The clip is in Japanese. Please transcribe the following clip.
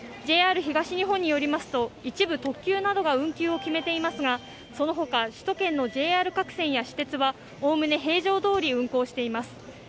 ＪＲ東日本によりますと一部、特急などが運休を決めていますがそのほか首都圏のＪＲ各線や私鉄は、おおむね平常どおり運行しています。